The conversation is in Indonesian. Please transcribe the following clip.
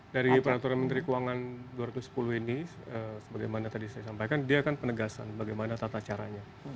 dari peraturan menteri keuangan dua ratus sepuluh ini sebagaimana tadi saya sampaikan dia kan penegasan bagaimana tata caranya